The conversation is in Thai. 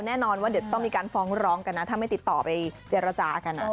แน่นอนว่าเดี๋ยวจะต้องมีการฟ้องร้องกันนะถ้าไม่ติดต่อไปเจรจากัน